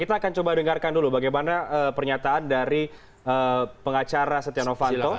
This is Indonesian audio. saya ingin mengeluarkan dulu bagaimana pernyataan dari pengacara setia novanto